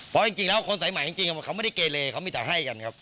เพราะจริงแล้วคนสายใหม่จริงเขาไม่ได้เกเลเขามีแต่ให้กันครับ